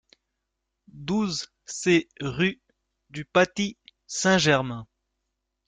douze C rue du Patis Saint-Germain